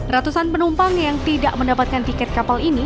ratusan penumpang yang tidak mendapatkan tiket kapal ini